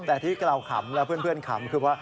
แต่ที่เราขำแล้วเพื่อนขำคือว่า